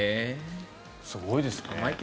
すごいですね。